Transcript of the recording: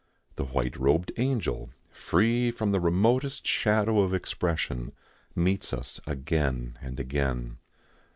The white robed angel, free from the remotest shadow of expression, meets us again and again.